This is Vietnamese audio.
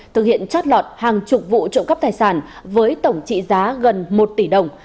thực hiện chót lọt hàng chục vụ trộm cắp tài sản với tổng trị giá gần một tỷ đồng